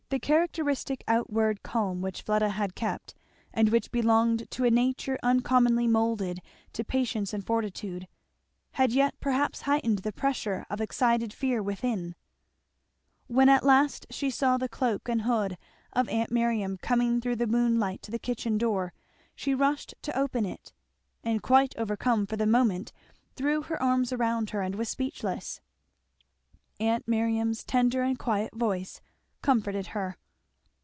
The characteristic outward calm which Fleda had kept, and which belonged to a nature uncommonly moulded to patience and fortitude, had yet perhaps heightened the pressure of excited fear within. When at last she saw the cloak and hood of aunt Miriam coming through the moonlight to the kitchen door, she rushed to open it, and quite overcome for the moment threw her arms around her and was speechless. Aunt Miriam's tender and quiet voice comforted her.